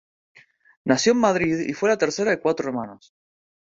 Nació en Madrid y fue la tercera de cuatro hermanos.